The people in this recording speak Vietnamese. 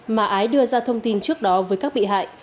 mà ái đưa ra thông tin trước đó với các bị hại